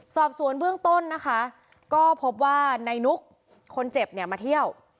สอบสวนเบื้องต้นนะคะก็พบว่านายนุกคนเจ็บเนี่ยมาเที่ยว